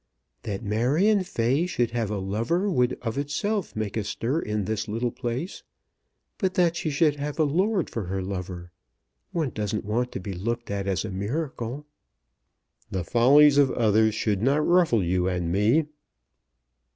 "That Marion Fay should have a lover would of itself make a stir in this little place; but that she should have a lord for her lover! One doesn't want to be looked at as a miracle." "The follies of others should not ruffle you and me."